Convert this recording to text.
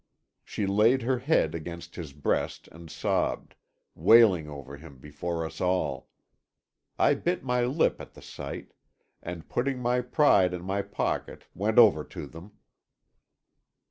She laid her head against his breast and sobbed, wailing over him before us all. I bit my lip at the sight, and putting my pride in my pocket went over to them.